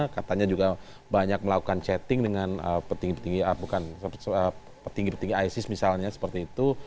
katanya juga banyak melakukan chatting dengan petinggi petinggi bukan petinggi petinggi isis misalnya seperti itu